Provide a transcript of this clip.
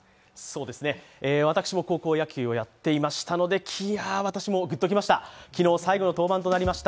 私も高校野球をやっていましたので私もグッと来ました。